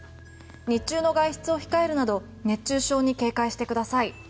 日中の外出を控えるなど熱中症に警戒してください。